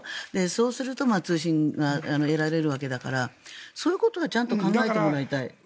そうすると通信が得られるわけだからそういうことをちゃんと考えてもらいたい。